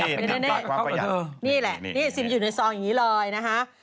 นี่แหละนี่ซิมอยู่ในซองอย่างนี้เลยนะฮะ